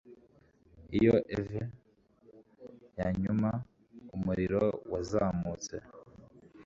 Iyo eve yanyuma umuriro wazamutse